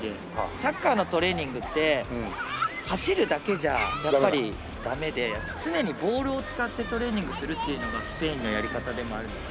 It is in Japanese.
サッカーのトレーニングって走るだけじゃやっぱりダメで常にボールを使ってトレーニングするっていうのがスペインのやり方でもあるので。